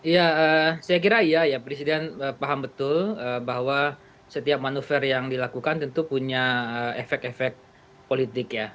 ya saya kira iya ya presiden paham betul bahwa setiap manuver yang dilakukan tentu punya efek efek politik ya